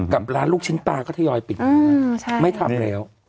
กับร้านลูกชิ้นปลาก็ทยอยปิดไม่ทำแล้ว